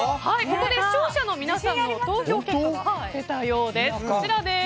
ここで視聴者の皆さんの投票結果、こちらです。